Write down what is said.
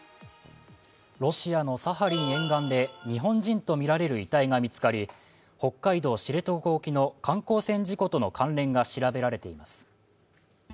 ロシアのサハリン沿岸で日本人とみられる遺体が見つかり北海道知床半島沖の観光船事故との関連が調べられています。